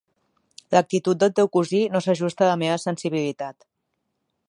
L'actitud del teu cosí no s'ajusta a la meva sensibilitat.